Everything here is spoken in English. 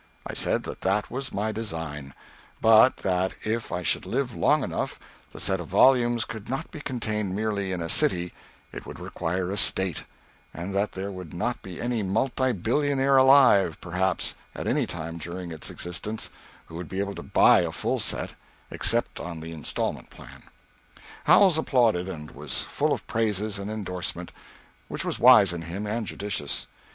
I said that that was my design; but that, if I should live long enough, the set of volumes could not be contained merely in a city, it would require a State, and that there would not be any multi billionaire alive, perhaps, at any time during its existence who would be able to buy a full set, except on the instalment plan. Howells applauded, and was full of praises and endorsement, which was wise in him and judicious.